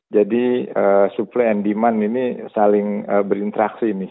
jadi supply and demand ini saling berinteraksi